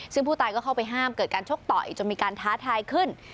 ซึ่งผู้ตายก็เข้าไปห้ามเกิดการชกต่อยจนมีการท้าทายขึ้น